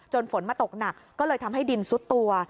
ฝนมาตกหนักก็เลยทำให้ดินซุดตัว